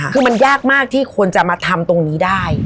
คือมันยากมากที่คนจะมาทำตรงนี้ได้